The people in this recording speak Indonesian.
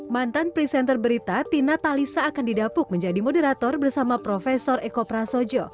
mantan presenter berita tina talisa akan didapuk menjadi moderator bersama prof eko prasojo